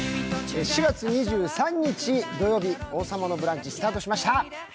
４月２３日土曜日、「王様のブランチ」スタートしました。